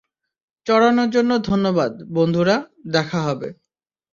চড়ানোর জন্য ধন্যবাদ, বন্ধুরা, দেখা হবে।